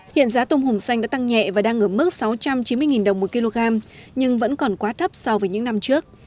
hiện giá tôm hùm xanh đã tăng nhẹ và đang ở mức sáu trăm chín mươi đồng một kg nhưng vẫn còn quá thấp so với những năm trước